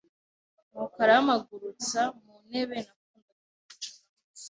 nuko arampagurutsa muntebe nakundaga kwicaramo